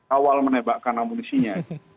awal menebakkan amunisinya